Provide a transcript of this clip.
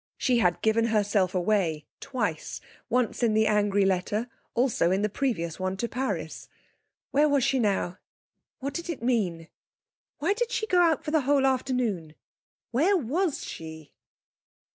She had given herself away twice once in the angry letter, also in the previous one to Paris. Where was she now? What did it mean? Why did she go out for the whole afternoon? Where was she?